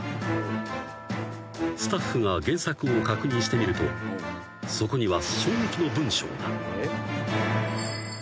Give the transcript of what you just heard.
［スタッフが原作を確認してみるとそこには］